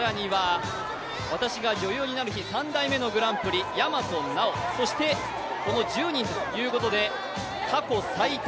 『私が女優になる日＿』３代目グランプリ大和奈央、この１０人ということで過去最多